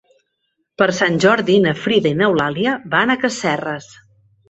Per Sant Jordi na Frida i n'Eulàlia van a Casserres.